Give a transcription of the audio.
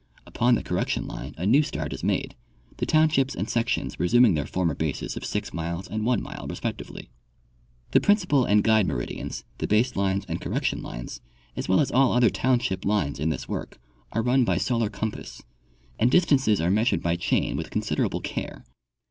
Upon the correction line a new start is made, the townships and sections resuming their former bases of six miles and one mile respectively. The principal and guide meridians, the base lines and correc tion lines, as well as all other toAvnship lines in this work, are run by solar compass, and distances are measured by chain with considerable care.